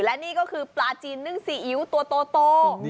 และนี่ก็คือปลาจีนนึ่งซีอิ๊วตัวโต